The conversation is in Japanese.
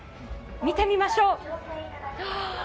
見てみましょう。